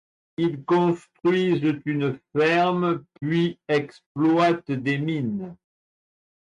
Ils construisent une ferme, puis exploitent des mines.